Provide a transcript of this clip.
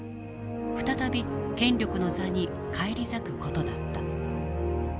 再び権力の座に返り咲く事だった。